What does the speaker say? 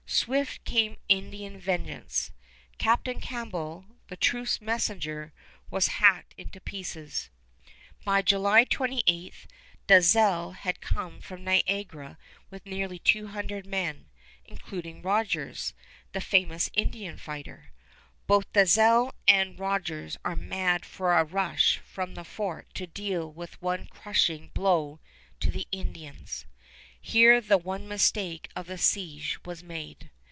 Swift came Indian vengeance. Captain Campbell, the truce messenger, was hacked to pieces. By July 28, Dalzell has come from Niagara with nearly two hundred men, including Rogers, the famous Indian fighter. Both Dalzell and Rogers are mad for a rush from the fort to deal one crushing blow to the Indians. Here the one mistake of the siege was made.